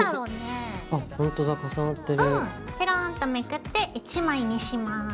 ぺろんとめくって１枚にします。